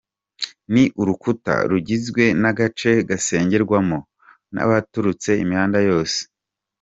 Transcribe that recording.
Ni urukuta rugizwe n’agace gasengerwamo n’abaturutse imihanda yose.